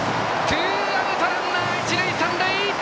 ツーアウトランナー、一塁三塁！